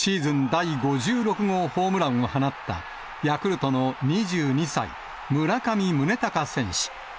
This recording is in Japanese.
第５６号ホームランを放ったヤクルトの２２歳、村上宗隆選手。